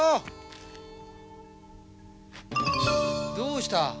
どうした？